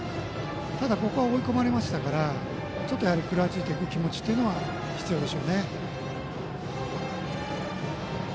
ただここは追い込まれたので食らいついていく気持ちが必要でしょうね。